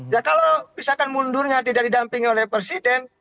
ya kalau misalkan mundurnya tidak didampingi oleh presiden